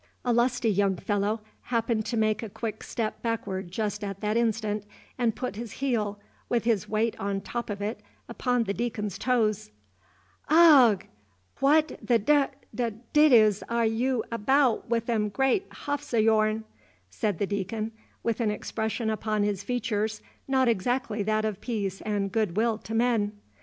A lusty young fellow happened to make a quick step backward just at that instant, and put his heel, with his weight on top of it, upon the Deacon's toes. "Aigh! What the d' d' didos are y' abaout with them great huffs o' yourn?" said the Deacon, with an expression upon his features not exactly that of peace and good will to men.